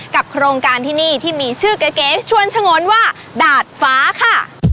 โครงการที่นี่ที่มีชื่อเก๋ชวนฉงนว่าดาดฟ้าค่ะ